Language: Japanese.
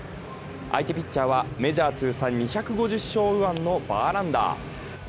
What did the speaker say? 相手ピッチャーはメジャー通算２５０勝右腕のバーランダー。